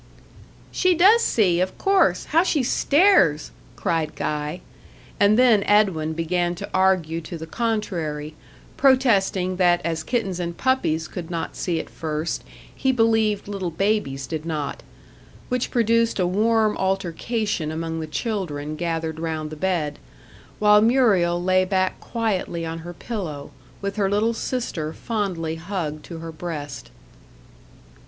"She does see, of course; how she stares!" cried Guy. And then Edwin began to argue to the contrary, protesting that as kittens and puppies could not see at first, he believed little babies did not: which produced a warm altercation among the children gathered round the bed, while Muriel lay back quietly on her pillow, with her little sister fondly hugged to her breast.